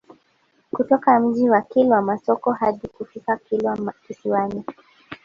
Kutoka Mji wa Kilwa Masoko hadi kufika Kilwa Kisiwani